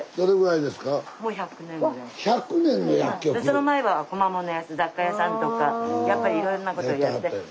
その前は小間物屋雑貨屋さんとかやっぱりいろんなことやって誰が？